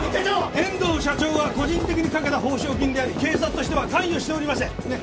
遠藤社長が個人的にかけた報奨金であり警察としては関与しておりません。ね？